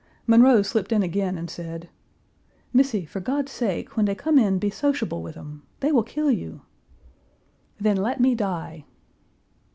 Monroe slipped in again and said: "Missy, for God's sake, when dey come in be sociable with 'em. Dey will kill you." "Then let me die."